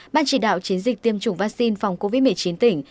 ban chỉ đạo chiến dịch tiêm chủng vaccine phòng covid một mươi chín tỉnh